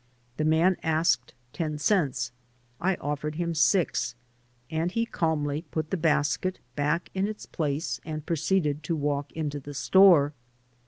The man asked ten cents; I offered him six, and he calmly put the basket back in its place and proceeded to walk into the store.